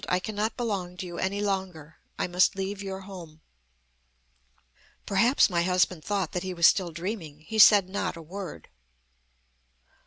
I cannot belong to you any longer. I must leave your home.' "Perhaps my husband thought that he was still dreaming. He said not a word.